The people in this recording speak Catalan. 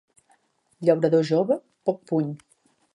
Llaurador jove, poc puny.